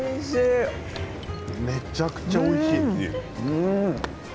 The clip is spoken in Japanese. めちゃくちゃおいしい。